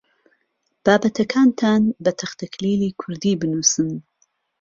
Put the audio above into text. بابەتەکانتان بە تەختەکلیلی کوردی بنووسن.